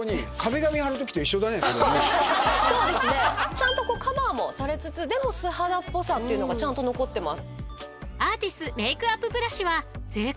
ちゃんとカバーもされつつでも素肌っぽさっていうのがちゃんと残ってます。